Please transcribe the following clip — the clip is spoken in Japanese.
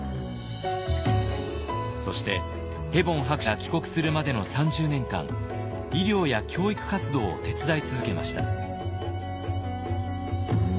そしてヘボン博士が帰国するまでの３０年間医療や教育活動を手伝い続けました。